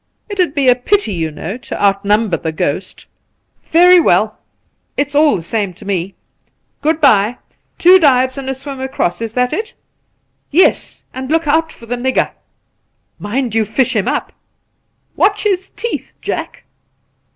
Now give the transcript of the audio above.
' It'd be a pity, you know, to outnumber the ghost.' ' Very well ; it's all the same to me. Good bye ! Two dives and a swim across — is that it V ' Yes, and look out for the nigger !'' Mind you fish him up I' ' Watch his teeth, Jack